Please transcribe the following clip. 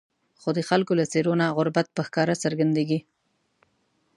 خو د خلکو له څېرو نه غربت په ښکاره څرګندېږي.